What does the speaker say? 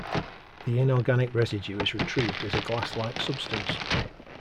The inorganic residue is retrieved as a glass like substance.